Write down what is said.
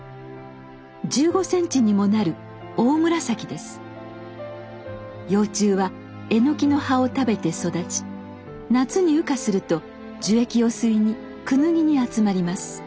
１５ｃｍにもなる幼虫はエノキの葉を食べて育ち夏に羽化すると樹液を吸いにクヌギに集まります。